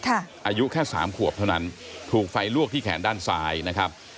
อายุแค่สามขวบเท่านั้นถูกไฟลวกที่แขนด้านซ้ายนะครับ